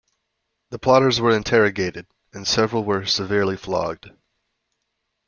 The plotters were interrogated, and several were severely flogged.